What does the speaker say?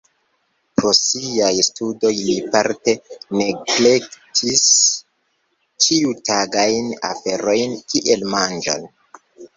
Pro siaj studoj li parte neglektis ĉiutagajn aferojn kiel manĝon.